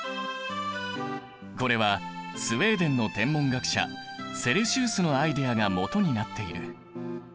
これはスウェーデンの天文学者セルシウスのアイデアがもとになっている。